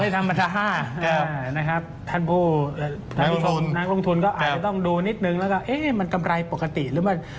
ไม่ธรรมดาท่านผู้ท่านลงทุนก็อาจจะต้องดูนิดนึงแล้วก็เอ๊ะมันกำไรปกติหรือเปล่า